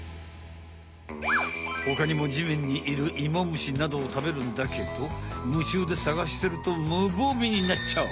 ほかにもじめんにいるイモムシなどをたべるんだけどむちゅうでさがしてると無防備になっちゃう。